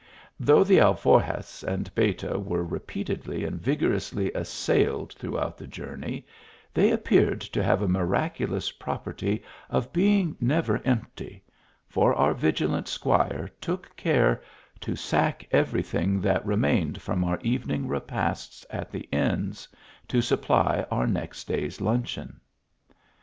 Though the alforjas and beta were repeatedly and vigorously assailed throughout the journey, they ap peared to have a miraculous property of being never empty ; for our vigilant Squire took care to sack every thing that remained from our evening repasts at the inns, to supply our next day s luncheon.